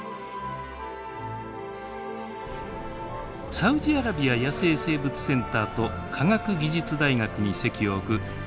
サウジアラビア野生生物センターと科学技術大学に籍を置く世界各地の研究者